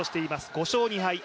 ５勝２敗。